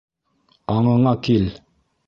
Аңыңа кил!